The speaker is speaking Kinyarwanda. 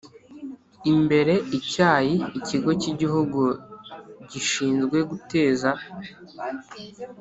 Imbere Icyayi Ikigo Cy Igihugu Gishinzwe Guteza